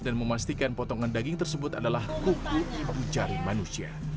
dan memastikan potongan daging tersebut adalah kuku ibu jari manusia